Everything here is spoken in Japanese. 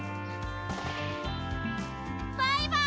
バイバイ！